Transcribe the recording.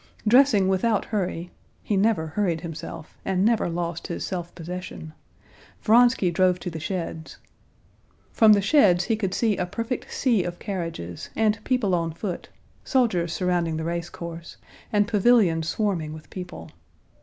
Dressing without hurry (he never hurried himself, and never lost his self possession), Vronsky drove to the sheds. From the sheds he could see a perfect sea of carriages, and people on foot, soldiers surrounding the race course, and pavilions swarming with people.